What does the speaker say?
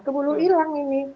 kebunuh hilang ini